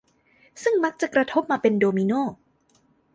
ซึ่งมักจะกระทบมาเป็นโดมิโน่